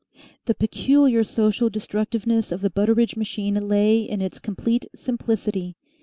The peculiar social destructiveness of the Butteridge machine lay in its complete simplicity.